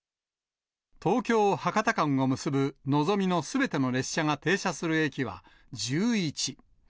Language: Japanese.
東京・博多間を結ぶのぞみのすべての列車が停車する駅は１１。